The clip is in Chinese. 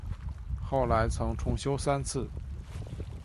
后来曾重修三次。